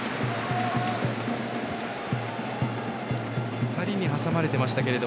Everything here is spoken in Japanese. ２人に挟まれてましたけど。